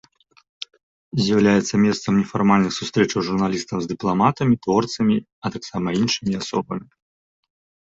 З'яўляецца месцам нефармальных сустрэчаў журналістаў з дыпламатамі, творцамі, а таксама іншымі асобамі.